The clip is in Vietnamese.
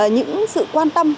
những sự quan tâm